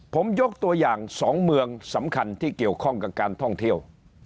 ผมยกตัวอย่าง๒เมืองสำคัญที่เกี่ยวข้องกับการท่องเที่ยว